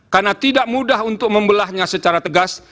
karena tidak mudah untuk membelahnya secara tegas